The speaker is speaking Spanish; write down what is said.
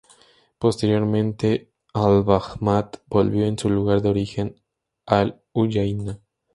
Posteriormente al-Wahhab, volvió a su lugar de origen, Al-Uyaina.